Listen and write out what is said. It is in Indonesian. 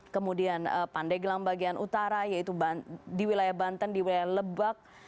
kemudian pandeglang bagian utara yaitu di wilayah banten di wilayah lebak